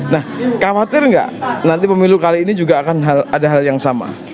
nah khawatir nggak nanti pemilu kali ini juga akan ada hal yang sama